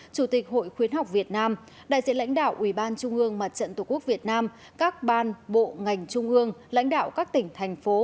chủ tịch hội khuyến học việt nam đại diện lãnh đạo ubnd mặt trận tổ quốc việt nam các ban bộ ngành trung ương lãnh đạo các tỉnh thành phố